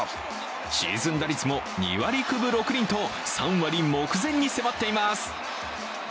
シーズン打率も２割９分６厘と３割目前に迫っています。